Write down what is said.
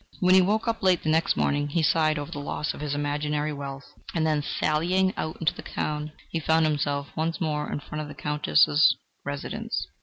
When he woke up late the next morning, he sighed over the loss of his imaginary wealth, and then sallying out into the town, he found himself once more in front of the Countess's residence.